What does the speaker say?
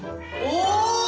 お！